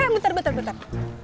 eh bentar bentar bentar